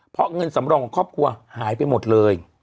เพราะเงินสำรองของครอบครัวหายไปหมดเลย